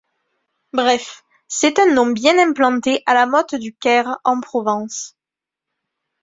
Bref, c’est un nom bien implanté à La Motte-du-Caire en Provence.